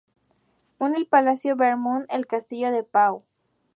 Une el Palacio Beaumont al Castillo de Pau.